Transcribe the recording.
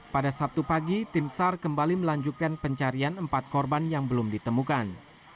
pada sabtu pagi tim sar kembali melanjutkan pencarian empat korban yang belum ditemukan